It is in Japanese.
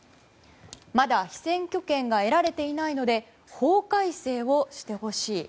まだ被選挙権が得られていないので法改正をしてほしい。